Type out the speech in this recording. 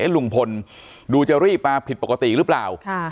ลุงพลดูจะรีบมาผิดปกติหรือเปล่า